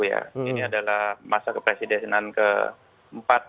ini adalah masa kepresidenan keempat